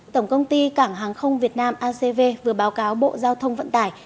tổng công ty cảng hàng không việt nam acv vừa báo cáo bộ giao thông vận tải